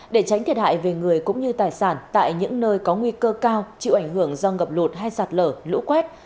để tránh thiệt hại về người cũng như tài sản tại những nơi có nguy cơ cao chịu ảnh hưởng do ngập lụt hay sạt lở lũ quét